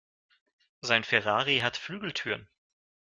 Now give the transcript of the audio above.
Sein Ferrari hat Flügeltüren.